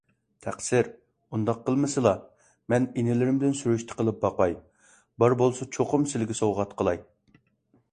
تەقسىر، ئۇنداق قىلمىسىلا! مەن ئىنىلىرىمدىن سۈرۈشتە قىلىپ باقاي، بار بولسا چوقۇم سىلىگە سوۋغات قىلاي